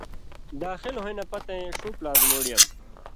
داخل ہویں نہ پتَیں شُو پلاسمُوڈیَم